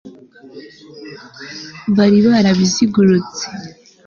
bari barabizigurutse